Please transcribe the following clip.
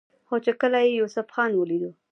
خو چې کله يې يوسف خان وليدو